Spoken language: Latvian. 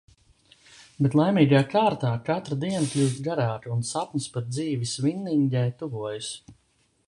Bet laimīgā kārtā katra diena kļūst garāka un sapnis par dzīvi Svinningē tuvojas.